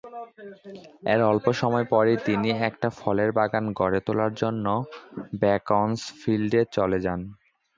এর অল্পসময় পরেই, তিনি একটা ফলের বাগান গড়ে তোলার জন্য বেকন্সফিল্ডে চলে যান।